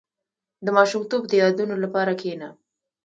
• د ماشومتوب د یادونو لپاره کښېنه.